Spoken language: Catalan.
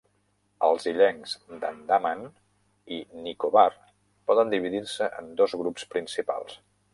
Els illencs d'Andaman i Nicobar poden dividir-se en dos grups principals.